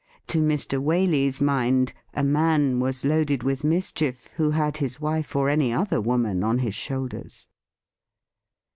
To Mr. Waley's mind, a man was loaded with mischief who had his wife or any other woman on his shoulders.